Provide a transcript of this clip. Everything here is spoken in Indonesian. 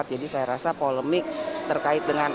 jadi saya rasa polemik terkait dengan